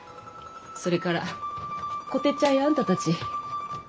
それからこてっちゃんやあんたたち。